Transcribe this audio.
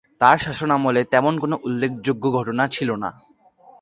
তার শাসনামলে তেমন কোন উল্লেখযোগ্য ঘটনা ছিলনা।